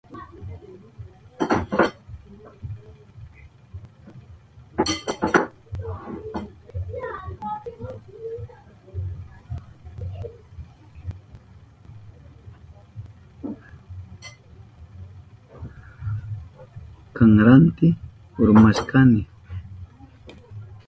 Kanranti urmashkani.